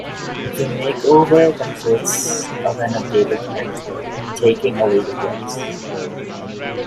The makeover consists of an updated grand court, taking away the bricks.